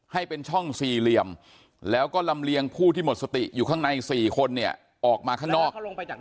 ให้เป็นช่องสี่เหลี่ยมแล้วก็ลำเลียงผู้ที่หมดสติอยู่ข้างใน๔คนเนี่ยออกมาข้างนอก